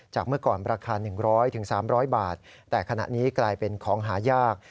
เมื่อก่อนราคา๑๐๐๓๐๐บาทแต่ขณะนี้กลายเป็นของหายาก